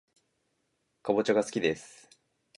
かぼちゃがすきです